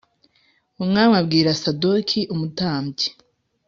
Umwami abwira Sadoki umutambyi